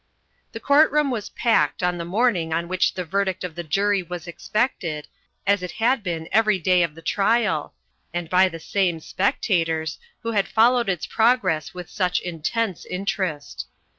The court room was packed on the morning on which the verdict of the jury was expected, as it had been every day of the trial, and by the same spectators, who had followed its progress with such intense interest.